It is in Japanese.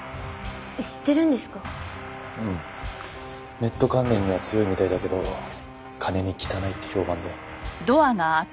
ネット関連には強いみたいだけど金に汚いって評判だよ。